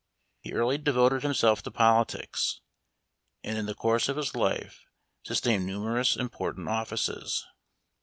He early devoted himself to politics, and in the course of his life sustained nu merous important offices.